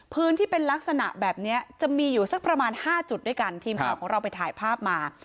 พื้นที่เป็นลักษณะแบบนี้จะมีอยู่สักประมาณห้าจุดด้วยกันทีมข่าวของเราไปถ่ายภาพมา